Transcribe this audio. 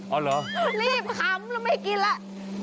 อ๋อเหรอรีบขำแล้วไม่กินแล้ว